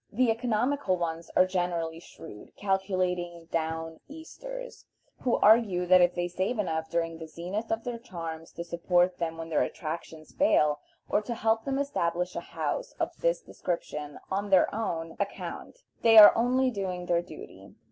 The economical ones are generally shrewd, calculating "down Easters," who argue that if they can save enough during the zenith of their charms to support them when their attractions fail, or to help them establish a house of this description on their own account, they are only doing their duty.